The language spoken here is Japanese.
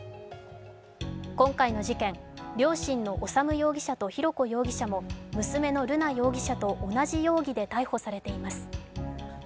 今回の事件、両親の修容疑者と浩子容疑者も娘の瑠奈容疑者と同じ容疑で逮捕されています。